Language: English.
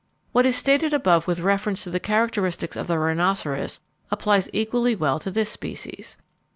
What is stated above with reference to the characteristics of the rhinoceros applies equally well to this species.